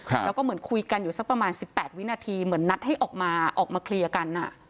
แล้วก็เหมือนคุยกันอยู่สักประมาณสิบแปดวินาทีเหมือนนัดให้ออกมาออกมาเคลียร์กันอ่ะ